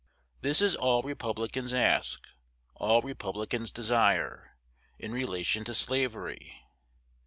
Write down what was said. This is all Republicans ask, all Republicans desire, in relation to slavery.